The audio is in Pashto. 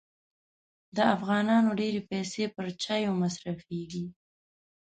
د افغانانو ډېري پیسې پر چایو مصرفېږي.